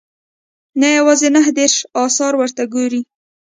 نه یوازې نهه دېرش اثار ورته ګوري.